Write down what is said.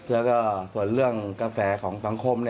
แล้วก็ส่วนเรื่องกระแสของสังคม